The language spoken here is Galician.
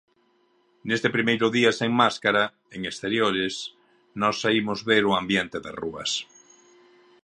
Neste primeiro día sen máscara en exteriores, nós saímos ver o ambiente das rúas.